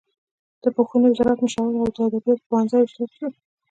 د پوهنې وزارت مشاور او د ادبیاتو پوهنځي استاد شو.